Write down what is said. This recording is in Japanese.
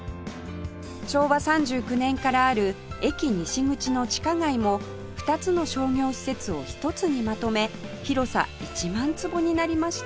昭和３９年からある駅西口の地下街も２つの商業施設を１つにまとめ広さ１万坪になりました